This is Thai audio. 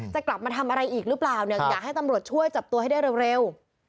จะกลับมาทำอะไรอีกหรือเปล่าเนี่ยอยากให้ตำรวจช่วยจับตัวให้ได้เร็ว